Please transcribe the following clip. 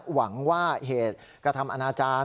หวังว่าเหตุกระทำอนาจารย์